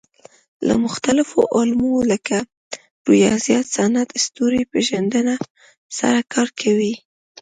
له مختلفو علومو لکه ریاضیات، صنعت، ستوري پېژندنه سره کار کوي.